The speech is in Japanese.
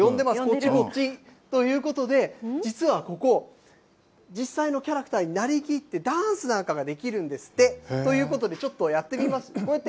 こっち、こっちということで、実はここ、実際のキャラクターになりきって、ダンスなんかができるんですって。ということで、ちょっとやってみます。